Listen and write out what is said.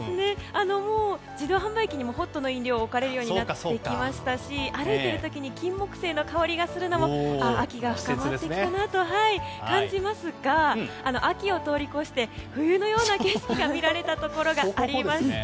自動販売機にもホットの飲料が置かれるようになってきましたし歩いている時にキンモクセイの香りがするのも秋が深まってきたなと感じますが、秋を通り越して冬のような景色が見られたところがありました。